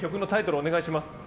お願いします。